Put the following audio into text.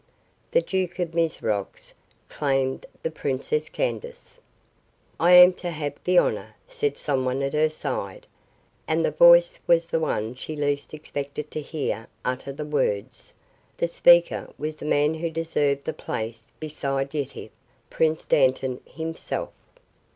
The Duke of Mizrox claimed the Princess Candace. "I am to have the honor," said someone at her side, and the voice was the one she least expected to hear utter the words. The speaker was the man who deserved the place beside Yetive Prince Dantan himself.